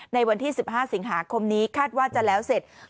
ในวันที่๑๕สิงหาคมนี้คาดว่าจะแล้วเสร็จ